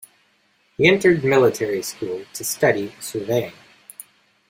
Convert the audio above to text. He entered military school to study surveying.